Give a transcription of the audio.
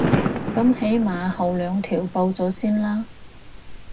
噉起碼後兩條報咗先啦